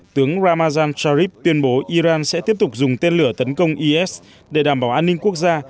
tướng ramazam charib tuyên bố iran sẽ tiếp tục dùng tên lửa tấn công is để đảm bảo an ninh quốc gia